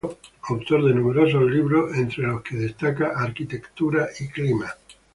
Autor de numerosos libros, entre los que destaca "Arquitectura y Clima.